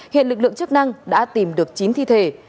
hiện lực lượng chức năng đã tìm được chín thi thể